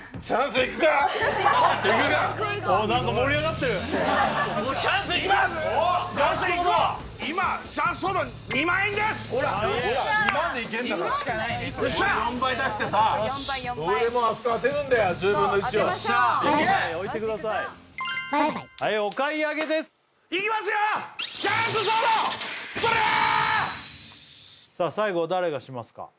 そりゃっ！さあ最後誰がしますか？